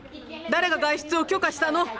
誰が外出を許可したの？